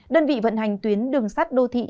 đơn vị vận hành tuyến đường sắt đô thị